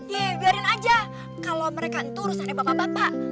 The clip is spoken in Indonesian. ya biarkan saja kalau mereka itu urusannya bapak bapak